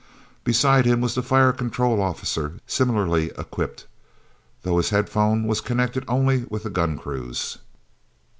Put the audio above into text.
Beside him was the fire control officer similarly equipped, though his headphone was connected only with the gun crews.